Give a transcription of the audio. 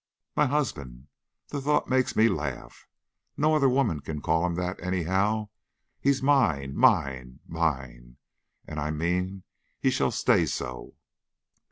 My husband! the thought makes me laugh. No other woman can call him that, anyhow. He is mine, mine, mine, and I mean he shall stay so."